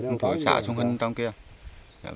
một người ở xã xuân hình trong kia